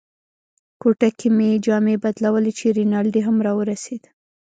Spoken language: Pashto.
کوټه کې مې جامې بدلولې چې رینالډي هم را ورسېد.